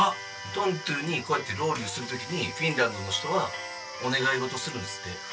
トントゥにこうやってロウリュする時にフィンランドの人はお願い事するんですって。